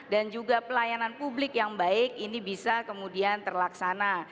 dan juga pelayanan publik yang baik ini bisa kemudian terlaksana